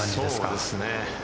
そうですね。